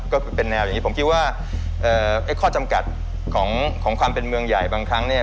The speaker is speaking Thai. ก็เป็นแนวอย่างนี้ผมคิดว่าไอ้ข้อจำกัดของความเป็นเมืองใหญ่บางครั้งเนี่ย